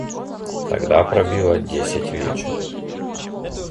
Тогда пробило десять вечера.